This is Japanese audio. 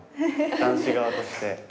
男子側として。